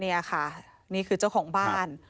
นี่ค่ะนี่คือเจ้าของบ้าน